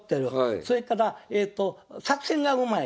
それからえと作戦がうまい。